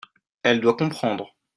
elle doit comprendre.